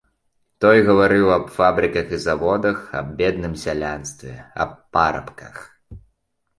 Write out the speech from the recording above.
Той гаварыў аб фабрыках і заводах, аб бедным сялянстве, аб парабках.